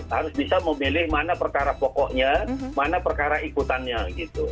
harus bisa memilih mana perkara pokoknya mana perkara ikutannya gitu